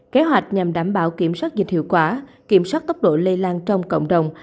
kế hoạch nhằm đảm bảo kiểm soát dịch hiệu quả kiểm soát tốc độ lây lan trong cộng đồng